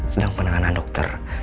sedang penanganan dokter